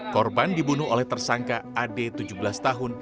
korban dibunuh oleh tersangka ad tujuh belas tahun